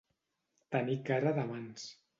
Tenir cara de mans.